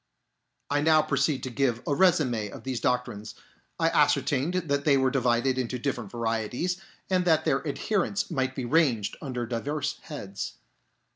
I now proceed to give a resume of these doctrines. I ascertained that they were divided [^ into different varieties, and that their adherents might be ranged under diverse heads.